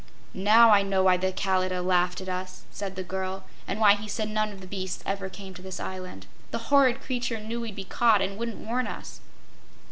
"Now I know why the Kalidah laughed at us," said the girl, "and why he said none of the beasts ever came to this island. The horrid creature knew we'd be caught, and wouldn't warn us."